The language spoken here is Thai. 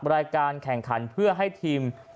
รายการแข่งขันเพื่อให้ทีม